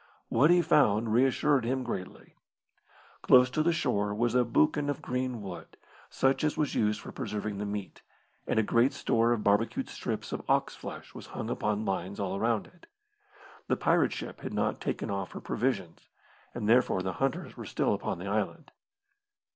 What he found reassured him greatly. Close to the shore was a boucan of green wood, such as was used for preserving the meat, and a great store of barbecued strips of ox flesh was hung upon lines all round it. The pirate ship had not taken off her provisions, and therefore the hunters were still upon the island.